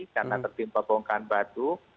karena tertimpa bongkan batu